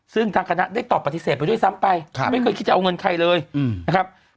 ซึ่งทางคณะได้ตอบปฏิเสธไปด้วยซ้ำไปไม่เคยคิดจะเอาเงินใครเลยนะครับ